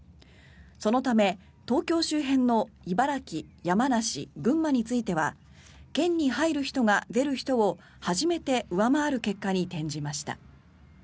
そのため、東京周辺の茨城、山梨、群馬については県に入る人が、出る人を初めて上回る結果に転じました。